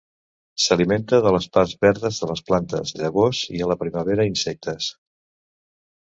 S'alimenta de les parts verdes de les plantes, llavors i, a la primavera, insectes.